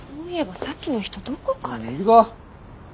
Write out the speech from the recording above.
行くぞ。